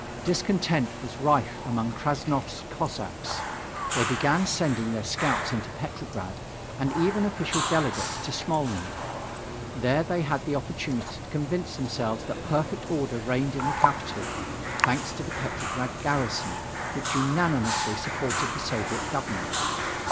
Discontent was rife among Krassnov's Cossacks. They began sending their scouts into Petrograd and even official delegates to Smolny. There they had the opportunity to convince themselves that perfect order reigned in the capital, thanks to the Petrograd garrison, which unanimously supported the Soviet government.